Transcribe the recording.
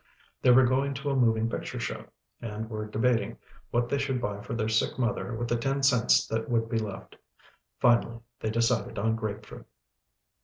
They were going to a moving picture show, and were debating what they should buy for their sick mother with the ten cents that would be left. Finally they decided on grape fruit.